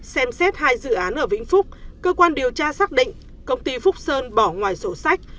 xem xét hai dự án ở vĩnh phúc cơ quan điều tra xác định công ty phúc sơn bỏ ngoài sổ sách